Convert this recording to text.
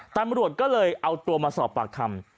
ตำรวจก็เลยเอาตัวมาสอบปากคำ